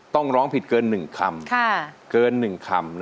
ต้องร้องผิดเกิน๑คำ